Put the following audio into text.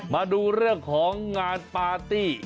มาดูเรื่องของงานปาร์ตี้